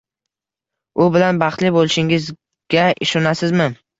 U bilan baxtli bo`lishingizga ishonasizmi